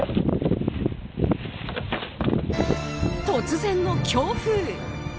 突然の強風！